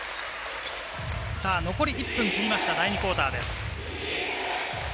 残り１分切りました、第２クオーター。